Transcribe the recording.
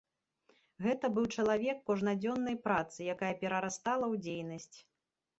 Гэта быў чалавек кожнадзённай працы, якая перарастала ў дзейнасць.